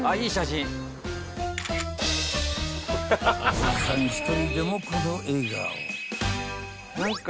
［おじさん１人でもこの笑顔］